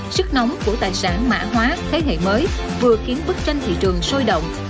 sức nóng của tài sản mã hóa thế hệ mới vừa khiến bức tranh thị trường sôi động